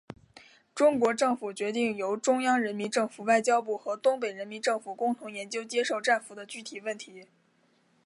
中国政府决定由中央人民政府外交部和东北人民政府共同研究接受战俘的具体问题。